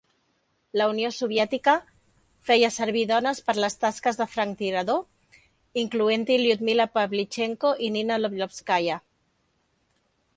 La Unió Soviètica feia servir dones per les tasques de franctirador, incloent-hi Lyudmila Pavlichenko i Nina Lobkovskaya.